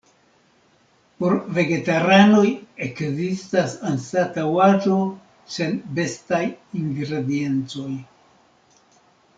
Por vegetaranoj ekzistas anstataŭaĵo sen bestaj ingrediencoj.